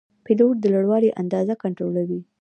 پیلوټ د لوړوالي اندازه کنټرولوي.